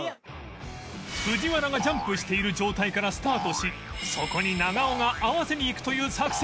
藤原がジャンプしている状態からスタートしそこに長尾が合わせにいくという作戦